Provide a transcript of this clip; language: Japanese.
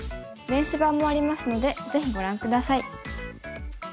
電子版もありますのでぜひご覧下さい。